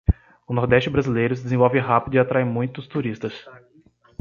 O nordeste brasileiro se desenvolve rápido e atrai muitos turistas